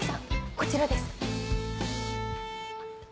こちらです。